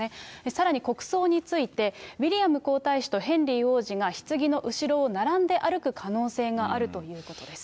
さらに国葬について、ウィリアム皇太子とヘンリー王子がひつぎの後ろを並んで歩く可能性があるということです。